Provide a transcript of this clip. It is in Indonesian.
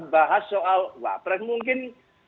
bahas soal wah pres mungkin